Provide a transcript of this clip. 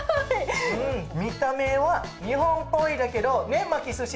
見た目は日本っぽいだけど巻きずし。